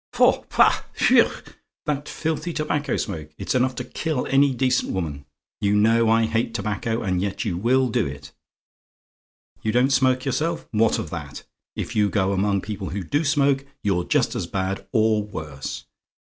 "Faugh! Pah! Whewgh! That filthy tobacco smoke! It's enough to kill any decent woman. You know I hate tobacco, and yet you will do it. YOU DON'T SMOKE YOURSELF? What of that? If you go among people who DO smoke, you're just as bad, or worse.